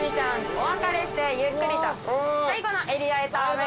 お別れしてゆっくりと。